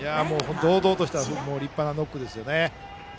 堂々とした立派なノックでしたね。